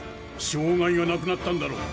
障害がなくなったんだろう。